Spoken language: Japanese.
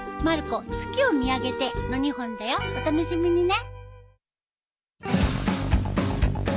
お楽しみにね。